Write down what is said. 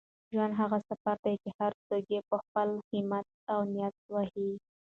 ژوند هغه سفر دی چي هر څوک یې په خپل همت او نیت وهي.